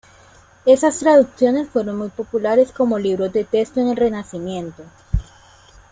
Esas traducciones fueron muy populares como libros de texto en el Renacimiento.